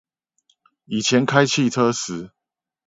以前開汽車時